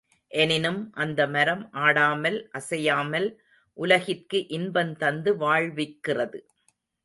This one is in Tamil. எனினும் அந்த மரம் ஆடாமல் அசையாமல் உலகிற்கு இன்பந்தந்து வாழ்விக்கிறது.